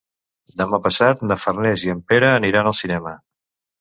Demà passat na Farners i en Pere aniran al cinema.